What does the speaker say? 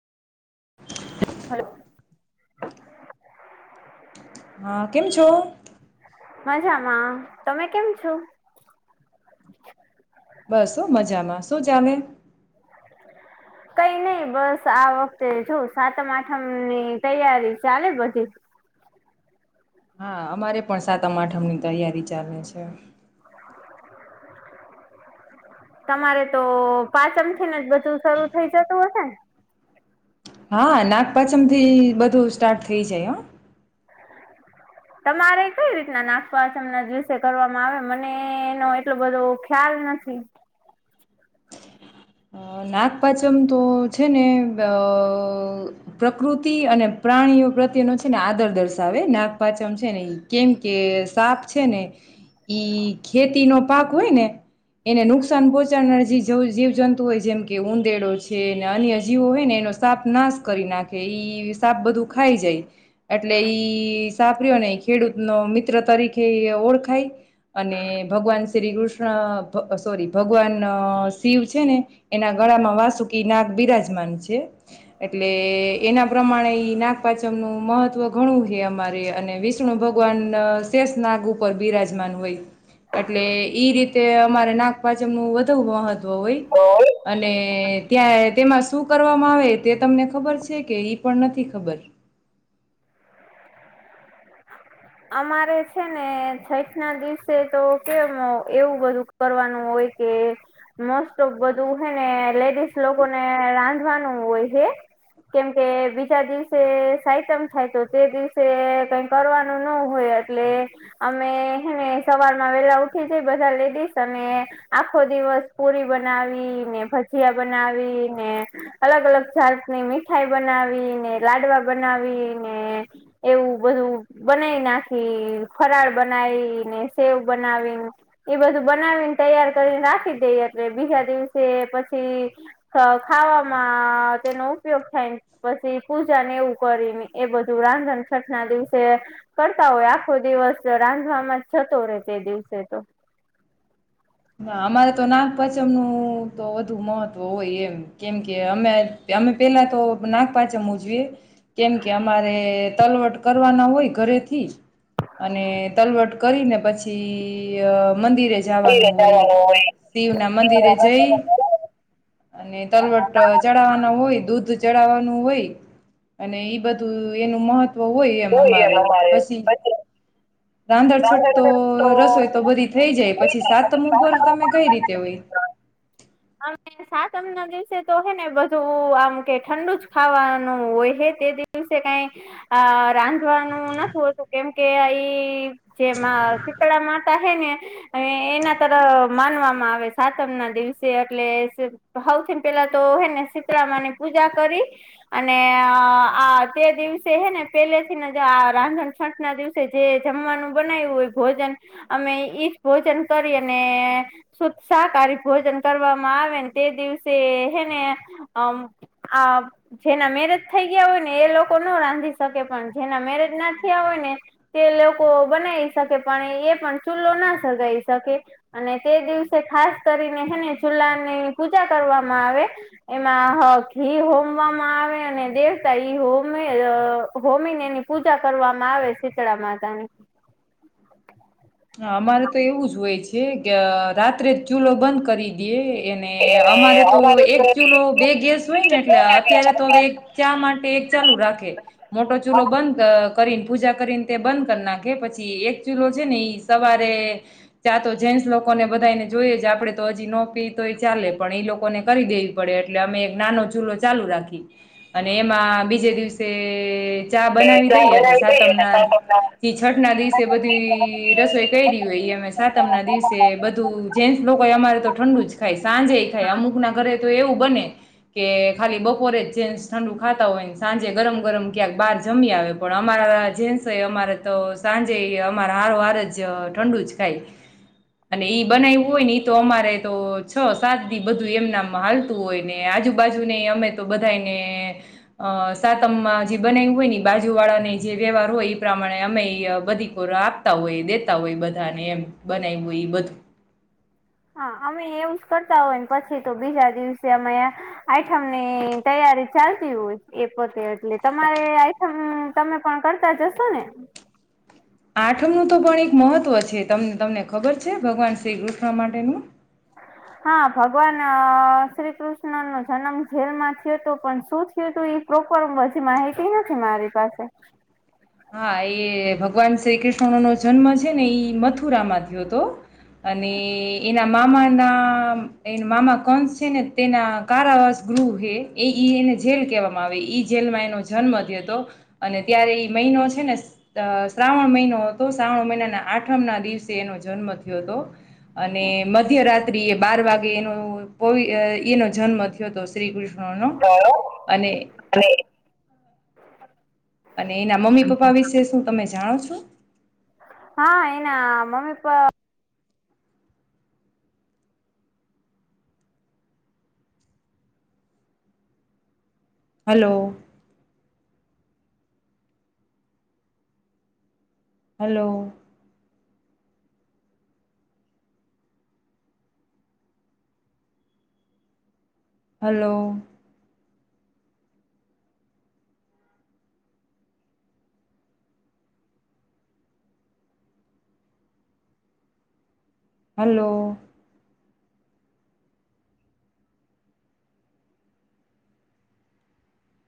Hello. હા કેમ છો? મજામાં. તમે કેમ છો? બસ હો મજામાં. શું જામે? કઈ નઈ બસ આ વખતે જો સાતમ આઠમ ની તૈયારી ચાલે બધી. હા અમારે પણ સાતમ આઠમની તૈયારી ચાલે છે. તમારે તો પાંચમ થીન જ બધું શરૂ થઇ જતું હશે ને? હા નાગપંચમ થી બધું સ્ટાર્ટ થઇ જાય હો. તમારે કઈ રીતના નાગપાચમના દિવસે કરવામાં આવે, મને એનો એટલો બધો ખ્યાલ નથી. અહ નાગપાચમ તો છે ને અહ પ્રકૃતિ અને પ્રાણીઓ પ્રત્યેનો છે ને આદર દર્શાવે નાગપાચમ છે ને ઈ. કેમ કે સાપ છે ને ઈ ખેતી નો પાક હોય ને એને નુકસાન પહોંચાડનાર જે જવ જીવ જંતુ હોય જેમ કે ઊંદેડો છે ને અન્ય જીવો હોય ને એનો સાપ નાશ કરી નાખે ઈ સાપ બધું ખાઈ જાય, એટલે ઈ સાપ રહ્યો ને એ ખેડૂત નો મિત્ર તરીકે ઓળખાય અને ભગવાન શ્રી કૃષ્ણ સોરી ભગવાન શિવ છે ને એના ગળામાં વાસુકી નાગ બિરાજમાન છે એટલે એના પ્રમાણે ઈ નાગપચમનું મહત્વ ઘણું કહે અમારે, અને વિષ્ણુ ભગવાન શેષ નાગ ઉપર બિરાજમાન હોય એટલે ઈ રીતે અમારે નાગપચમનું વધુ મહત ત્વ હોય. ને ત્યાં તેમાં શું કરવામાં આવે તે તમને ખબર છે કે ઈ પણ નથી ખબર? અમારે છે ને છઠ ના દિવસે તો કેમ એવું બધું કરવાનું હોય કે મોસ્ટ ઓફ બધું હેને લેડીઝ લોકોને રાંધવાનું હોય હે, કેમકે બીજા દિવસે સાઈતમ થાય તો તે દિવસે કઈ કરવાન નું ન હોય એટલે અમે હે ને સવારમાં વેલા ઉઠી જાઈ બધા લેડીસ અને આખો દિવસ પુરી બનાવી ને, ભજીયા બનાવી ને, અલગ-અલગ જાતની મીઠાઈ બનાવી ને, લાડવા બનાવી ને એવું બધું બનાવી નાખી, ફરાળ બનાવી ને, સેવ બનાવીન એ બધું બનાવીને તૈયાર કરીન રાખી દે એટલે બીજા દિવસે પછી ખ ખાવામાં તેનો ઉપયોગ થાયને પછી પૂજાને એવું કરીને એ બધું રાંધણ છઠ ના દિવ સે કરતા હોય આખો દિવસ રાંધવામાં જ જતો રે તે દિવસે તો. ના અમારે તો નાગપાંચમનું તો વધુ મહત્વ હોય એમ, કેમ કે અમે અમે પેલા તો નાગપાચમ ઉજવીએ, કેમ કે અમારે તલવટ કરવાના હોય ઘરેથી, અને તલવટ કરીને પછી અહ મંદિરે જવાનું, હોય શિવ ના મંદિરે જઈ અને તલવટ ચડવાનો હોય દૂધ ચડાવવા ય અને બધું એનું મહત્વ તો હોય એમ અમારે પછી, રાંધણ છટતો રસોય તો બધી થઈ જાય પછી સાત ર તમે કઈ રીતે હોય અને સાતમ ના દિવસે તો હેને બધું આમ કે ઠંડુ જ ખાવાનું હોય હ તે દિવસે કઈ આ રાંધવાનું નથી હોતું કેમકે ઈ જેમાં શીતળા માતા હે ને એના તરફ માનવામાં આવે સાતમ ના દિવસે એટલે સૌથી પેલા તો હેને શીતળામા ની પૂજા કરી, અને આ તે દિવસે હેને પેલે થીને આ રાંધણ છંટ ના દિવસે જે જમવાનું બનાવ્યું હોય ભોજન અમે ઈજ ભોજન કરી અને સુસાાકારહારી ભોજન કરવામાં આવેને તે દિવસે હને આ જેના મેરેજ થઈ ગયા હોય, ને એ લોકો ના રાંધી શકે પણ જેના મેરેજ ના થયા હોય ને તે લોકો બનાવી શકે પણ એ પણ ચૂલ્લો ના સગાઈ શકે અને તે દિવસે ખાસ કરીનેને છુલાનીની પૂજા કરવામાં આવે, એમાં હ ઘી હોમવામાં આવે અને દેવતા ઈ હોમે હોમીને એની પૂજા કરવામાં આવે શીતળા માતાની હ અમારે તો એવું જ હોય છે, કે રાત્રે જ ચૂલો બંધ કરી દેએ એને અમારે તો એક ચૂલો કિલો બે ગેસ એક હોય, કિલો ને છે એટલે અત્યારે એટલે તો હવે હજાર એક ચા માટે એક ચાલુ રાખે મોટો ચૂલો બંધ કરીને પૂજા કરીને તે બંધ કરી નાખે પછી એક ચૂલો છે ને સવારે ચાતો જેન્ટસ લોકોને બધાને જોઈએ, જ આપડે તો હજી નોપી તો એ ચાલે પણ એઈ લોકોને કરી દેવી પડે એટલે અમે એક નાનો ચૂલો ચાલુ રાખી, અને એમાં બીજે દિવસે ચા બનાવી દઈ અને સાતમ ના જે [unintelligible] પ અમે સાતમ ના દિવસે બધું જેન્સ લોકો અમારે તો ઠંડુ જ ખાય સાંજે ખાય અમુક ના ઘરે તો એવું બને કે ખાલી બપોરે જ જેન્સ ઠંડુ ખાતા હોય, ને સાંજે ગરમ ગરમ ક્યાંક બહાર જમી આવે પણ અમારા જેન્સ અમારે તો સાંજે અમારા હારો હાર જ ઠંડુ જ ખાય અને એઈ બનાવ્યું હોય, ને એ તો અમારે તો છ સાત થી બધું એમનામાં હાલતું હોય ને આજુબાજુ ને અમે તો બધાને અ સાતમમાં જે બનાવ્યું હોય, ને બાજુ વાળા ને જે વ્યવહાર હોય એ પ્રમાણે અમે બધી કોરા આપતા હોય. હોય બધાને એમ બનાવ હોય એ બધું હા અમે એવું જ કરતા હોય ને પછી તો બીજા દિવસે અમે આઈટમ ની તૈયારી ચાલતી હોય, એ પોતે એટલે તમારે આઈટમ તમે પણ કરતા જશો ને. આઠમનું તો પણ એક મહત્વ છેને તમને ખબર છે, ભગવાન શ્રી કૃષ્ણ માટેનું હા, ભગવાન શ્રી કૃષ્ણ નો જન્મ જેલમાં થયો હતો પણ શું થયું હતું એ પ્રોપર હજી માહિતી નથી, મારી પાસે હા એ ભગવાન શ્રી કૃષ્ણનો જન્મ છે ને ઈ મથુરામાં થયો હતો, અને એના મામાના એ મામા કંસ છે ને તેના કારાવાસ ગૃહ હ એ એને જેલ કહેવામાં આવે જેલમાં એનો જન્મ થયો હતો. અને ત્યારે એ મહિનો છે ને શ્રાવણ મહિનો હતો, સા્રાવણ મહિનાના આઠમ ના દિવસે એનો જન્મ થયો હતો અને મધ્ય રાત્ર બાર વાગે એનો એનો જન્મ થયો, શ્રી કૃષ્ણ નો થયો અને અને અને એના મમ્મી પપ્પા વિશે શું તમે જાણો છો? [unintelligible] હા એના mummy papa hello hello hello hello